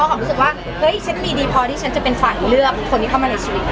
หอมรู้สึกว่ามีดีพอที่จะเป็นฝันให้เลือกคนที่เข้ามาในชีวิต